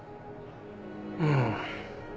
うん。